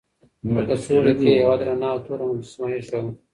په کڅوړه کې یې یوه درنه او توره مجسمه ایښې وه.